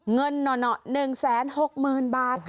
เงินหน่อยหน่อย๑๖๐๐๐๐บาทค่ะ